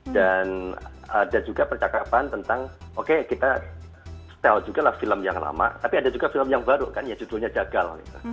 dan ada juga percakapan tentang oke kita setel juga lah film yang lama tapi ada juga film yang baru kan ya judulnya jagal